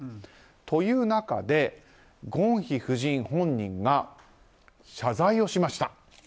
という中で、ゴンヒ夫人本人が謝罪をしました。